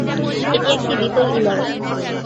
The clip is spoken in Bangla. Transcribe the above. এটি একটি দ্বিতল ইমারত।